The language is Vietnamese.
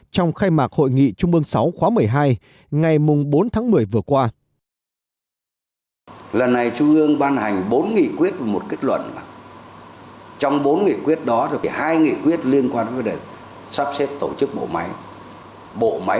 trong khai mạc hội nghị trung ương sáu khóa một mươi hai ngày bốn tháng một mươi vừa qua